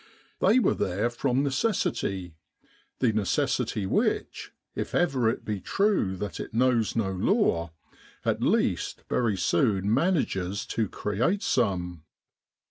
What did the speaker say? They were there from necessity, the necessity which, if it ever be true that it knows no law, at least very soon manages to create some.